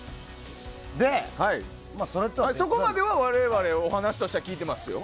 そこまでは我々お話としては聞いていますよ。